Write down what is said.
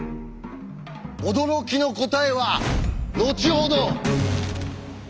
驚きの答えは後ほど。